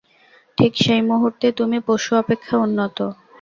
ঠিক সেই মুহূর্তে তুমি পশু অপেক্ষা উন্নত।